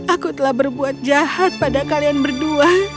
aku telah berbuat jahat pada kalian berdua